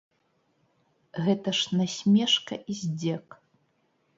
Гэта ж насмешка і здзек.